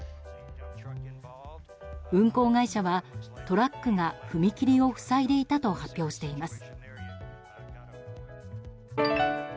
運行会社はトラックが踏切を塞いでいたと発表しています。